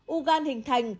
u gan hình thành